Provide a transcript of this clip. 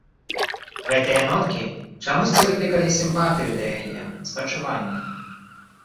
Гэтыя ноткі чамусьці выклікалі сімпатыю да яе, спачуванне.